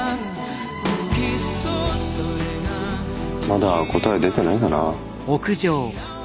まだ答え出てないかな。